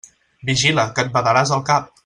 Vigila, que et badaràs el cap!